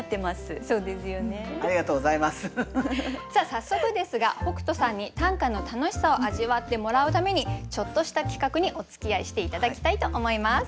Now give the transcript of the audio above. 早速ですが北斗さんに短歌の楽しさを味わってもらうためにちょっとした企画におつきあいして頂きたいと思います。